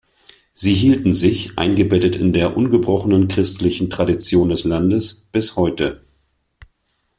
Sie hielten sich, eingebettet in der ungebrochen christlichen Tradition des Landes, bis heute.